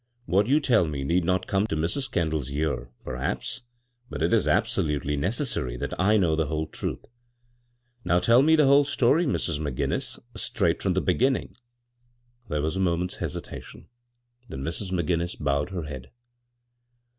What you tell me need not come to Mrs. Kendall's ear, perhaps, but it is absolutely necessary that J know the whole truth. Now tell me the whole story, Mrs. McGinnis, straight from the beginning." There was a moment's hesitation, then Mrs. McGinnis bowed her head.